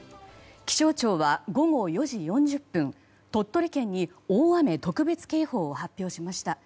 気象庁は、午後４時４０分鳥取県に大雨特別警報を発表しました。